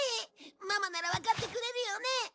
ママならわかってくれるよね？